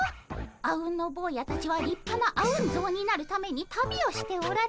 あうんの坊やたちはりっぱなあうん像になるために旅をしておられるのでございますね。